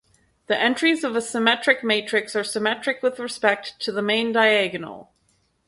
The entries of a symmetric matrix are symmetric with respect to the main diagonal.